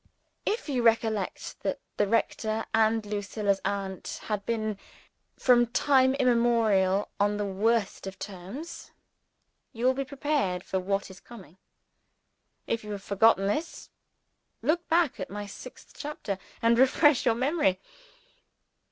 (If you recollect that the rector and Lucilla's aunt had been, from time immemorial, on the worst of terms you will be prepared for what is coming. If you have forgotten this, look back at my sixth chapter and refresh your memory.)